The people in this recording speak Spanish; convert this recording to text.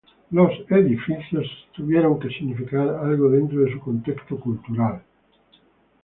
Edificios tuvieron que significar algo dentro de su contexto cultural.